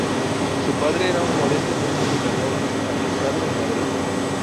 Su padre era un modesto músico italiano afincado en Madrid.